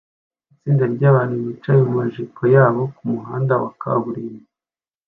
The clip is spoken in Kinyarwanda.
Itsinda ryabantu bicaye mumajipo yabo kumuhanda wa kaburimbo